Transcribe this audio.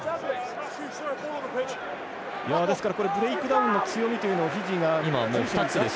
ですから、ブレイクダウンの強みというのをフィジーが。